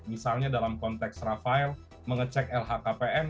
misalnya dalam konteks rafael mengecek lhkpn